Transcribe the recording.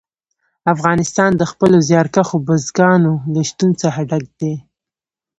افغانستان د خپلو زیارکښو بزګانو له شتون څخه ډک دی.